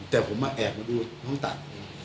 แต่ผมแอบมาดูห้องตัด